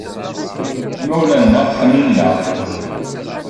Imawlan-nneɣ ḥemmlen-aɣ.